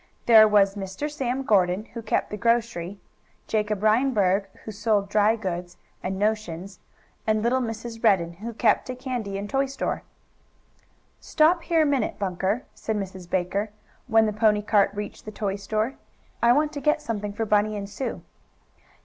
There was Mr. Sam Gordon, who kept the grocery, Jacob Reinberg, who sold drygoods and notions, and little Mrs. Redden, who kept a candy and toy store. "Stop here a minute, Bunker," said Miss Baker, when the pony cart reached the toy store. "I want to get something for Bunny and Sue."